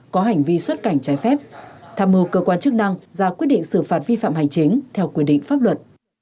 có hành vi xuất cảnh trái phép tham mưu cơ quan chức năng ra quyết định xử phạt vi phạm hành chính theo quy định pháp luật